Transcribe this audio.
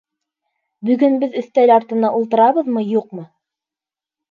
Бөгөн беҙ өҫтәл артына ултырабыҙмы, юҡмы?